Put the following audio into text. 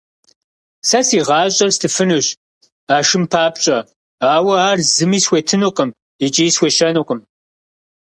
Сэ си гъащӀэр стыфынущ а шым папщӀэ, ауэ ар зыми схуетынукъым икӀи схуещэнукъым.